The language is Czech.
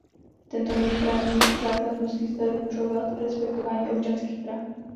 Tento nový právní základ musí zaručovat respektování občanských práv.